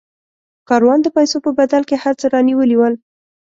کاروان د پیسو په بدل کې هر څه رانیولي ول.